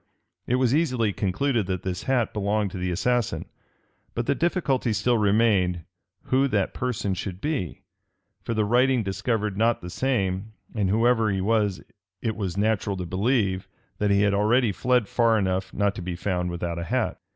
It was easily concluded that this hat belonged to the assassin: but the difficulty still remained, who that person should be; for the writing discovered not the same; and whoever he was, it was natural to believe that he had already fled far enough not to be found without a hat.